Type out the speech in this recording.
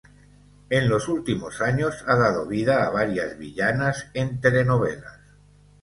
En los últimos años ha dado vida a varias villanas en telenovelas.